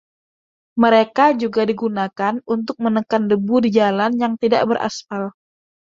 Mereka juga digunakan untuk menekan debu di jalan yang tidak beraspal.